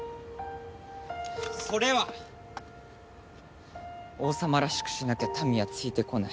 それは王様らしくしなきゃ民はついてこない。